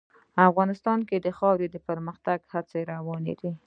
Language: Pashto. افغانستان کې د خاوره د پرمختګ هڅې روانې دي.